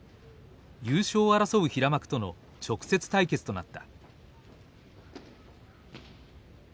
優勝を争う平幕との直接対決となった。